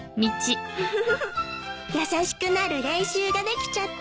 フフフ優しくなる練習ができちゃった。